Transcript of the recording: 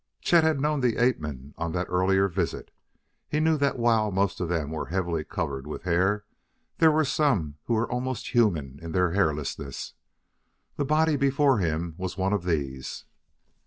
Chet had known the ape men on that earlier visit: he knew that while most of them were heavily covered with hair there were some who were almost human in their hairlessness. The body before him was one of these.